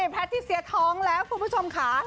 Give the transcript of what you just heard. แพทย์ที่เสียท้องแล้วคุณผู้ชมค่ะ